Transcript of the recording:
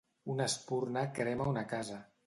Una espurna crema una casa.